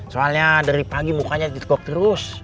soalnya dari pagi mukanya ditegok terus